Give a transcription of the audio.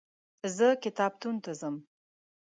زه کتابتون ته ځم.